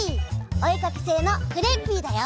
おえかきせいのクレッピーだよ！